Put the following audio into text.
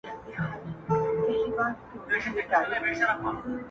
جانه ته ځې يوه پردي وطن ته~